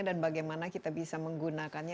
dan bagaimana kita bisa menggunakannya